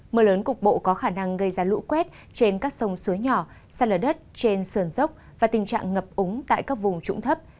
mưa lớn cục bộ có khả năng gây ra lũ quét trên các sông suối nhỏ sàn lở đất trên sườn dốc và tình trạng ngập úng tại các vùng trũng thấp